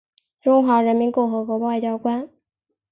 中华人民共和国外交官。